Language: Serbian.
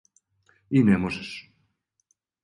И не можеш.